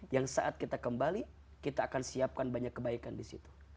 yang saat kita kembali kita akan siapkan banyak kebaikan di situ